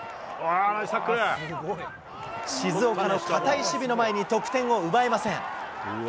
静岡の堅い守備の前に得点を奪えません。